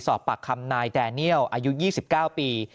สอบปากคำนายแดเนียลอายุ๒๙ปี